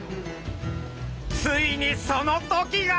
ついにその時が！